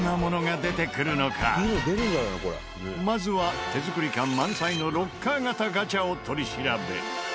まずは手作り感満載のロッカー型ガチャを取り調べ。